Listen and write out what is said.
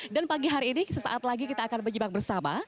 dan pagi hari ini sesaat lagi kita akan berjabat bersama